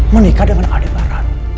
menikah dengan adik barat